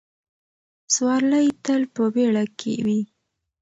سوارلۍ تل په بیړه کې وي.